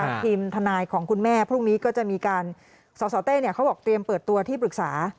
ทีมทนายของคุณแม่พรุ่งนี้ก็จะมีการสสเต้เขาบอกเตรียมเปิดตัวที่ปรึกษา